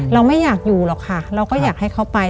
เราไม่อยากอยู่หรอกค่ะเราก็อยากให้เขาไป